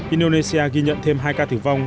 indonesia ghi nhận thêm hai ca tử vong